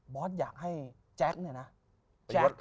อสอยากให้แจ๊คเนี่ยนะ